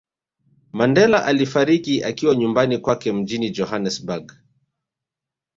Mandela alifariki akiwa nyumbani kwake mjini Johanesburg